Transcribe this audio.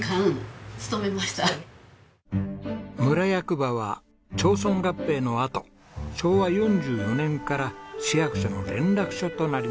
村役場は町村合併のあと昭和４４年から市役所の連絡所となりました。